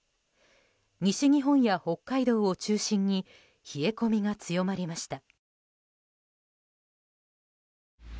西日本や北海道を中心に冷え込みが強まりました。